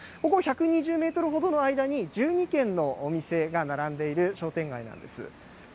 ここ、１２０メートルほどの間に、１２軒のお店が並んでいる商店街なんです。